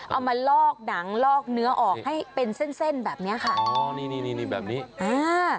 มาลอกหนังลอกเนื้อออกให้เป็นเส้นเส้นแบบเนี้ยค่ะอ๋อนี่นี่นี่แบบนี้อ่า